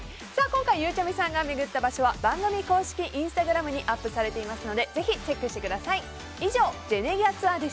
今回、ゆうちゃみさんが巡った場所は番組公式インスタグラムにアップされていますのでぜひチェックしてください。